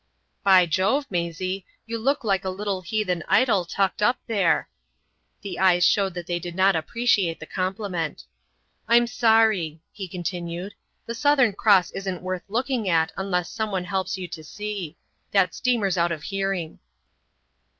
"By Jove, Maisie, you look like a little heathen idol tucked up there." The eyes showed that they did not appreciate the compliment. "I'm sorry," he continued. "The Southern Cross isn't worth looking at unless someone helps you to see. That steamer's out of hearing."